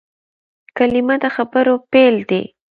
کلیمه د خبرو پیل دئ.